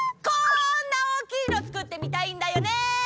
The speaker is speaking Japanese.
こんな大きいのつくってみたいんだよね！